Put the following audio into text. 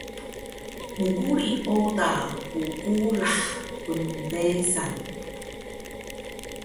mquri oda bgurah kndesan